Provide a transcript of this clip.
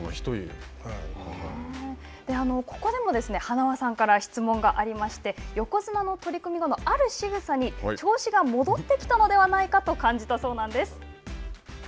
ここでも塙さんから質問がありまして横綱の取組後のあるしぐさに調子が戻ってきたのではないかと感じたそうなんです。